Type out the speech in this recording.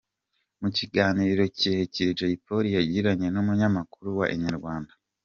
Mu kiganiro kirekire Jay Polly yagiranye n’umunyamakuru wa Inyarwanda.